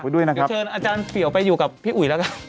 เดี๋ยวเชิญอาจารย์เปียวไปอยู่กับพี่อุ๋ยแล้วกัน